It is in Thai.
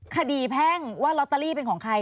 แพ่งว่าลอตเตอรี่เป็นของใคร